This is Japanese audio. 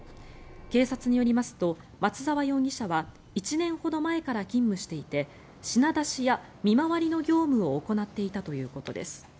警察によりますと松沢容疑者は１年ほど前から勤務していて品出しや見回りの業務を行っていたということです。